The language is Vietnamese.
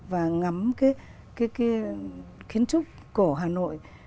và ngắm cái kiến trúc cổ hà nội